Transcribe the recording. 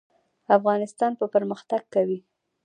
افغانستان به پرمختګ کوي